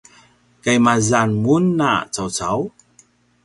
kaimazan mun a caucau?